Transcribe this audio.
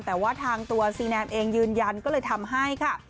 แต่ว่าทางตัวซีแนมเองยืนยันก็เลยทำให้ค่ะ